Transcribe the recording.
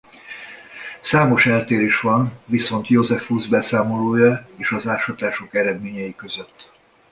Számos eltérés van viszont Iosephus beszámolója és az ásatások eredményei között.